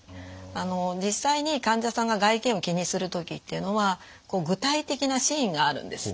あの実際に患者さんが外見を気にする時っていうのは具体的なシーンがあるんです。